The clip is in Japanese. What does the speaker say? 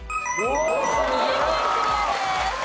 三重県クリアです。